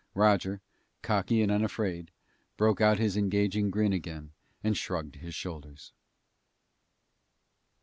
Roger, cocky and unafraid, broke out his engaging grin again and shrugged his shoulders.